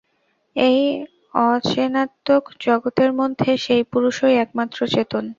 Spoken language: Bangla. এই অচেনাত্মক জগতের মধ্যে সেই পুরুষই একমাত্র চেতন।